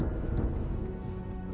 ah sebentar ya